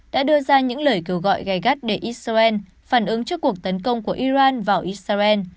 đã đưa ra những lời kêu gọi gai gắt để israel phản ứng trước cuộc tấn công của iran vào israel